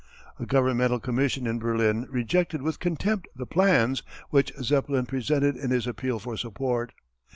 A governmental commission at Berlin rejected with contempt the plans which Zeppelin presented in his appeal for support.